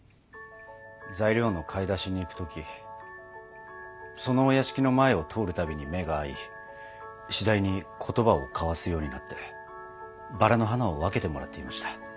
材料の買い出しに行く時そのお屋敷の前を通るたびに目が合いしだいに言葉を交わすようになってバラの花を分けてもらっていました。